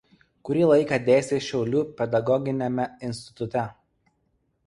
Kurį laiką dėstė Šiaulių pedagoginiame institute.